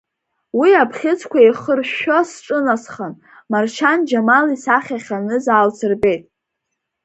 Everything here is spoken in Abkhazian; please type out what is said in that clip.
Уи абӷьыцқәа еихыршәшәо сҿынасхан, Маршьан Џьамал исахьа ахьаныз аалсырбеит.